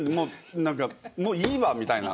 何かもういいわみたいな。